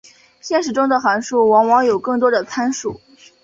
现实中的函数往往有更多的参数。